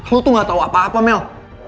aku tuh gak tau apa apa mel